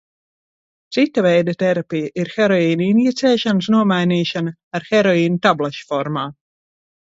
Cita veida terapija ir heroīna injicēšanas nomainīšana ar heroīnu tablešu formā.